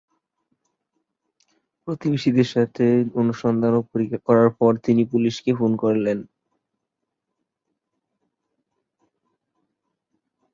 প্রতিবেশীদের সাথে অনুসন্ধান ও পরীক্ষা করার পর তিনি পুলিশকে ফোন করেন।